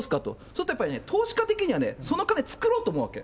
そしたらやっぱり、投資家的には、その金作ろうと思うわけ。